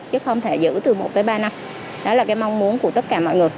chứ không thể giữ từ một tới ba năm đó là cái mong muốn của tất cả mọi người